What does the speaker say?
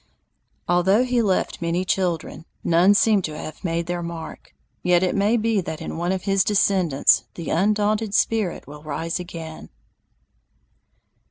Although he left many children, none seem to have made their mark, yet it may be that in one of his descendants that undaunted spirit will rise again.